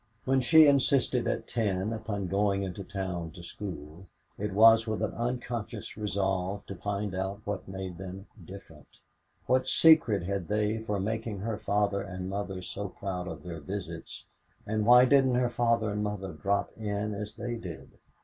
When she insisted at ten upon going into town to school, it was with an unconscious resolve to find out what made them "different" what secret had they for making her father and mother so proud of their visits, and why didn't her father and mother drop in as they did?